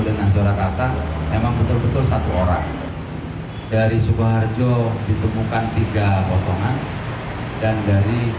dengan surakarta memang betul betul satu orang dari sukoharjo ditemukan tiga potongan dan dari